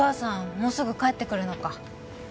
もうすぐ帰ってくるのか